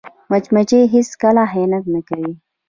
مچمچۍ هیڅکله خیانت نه کوي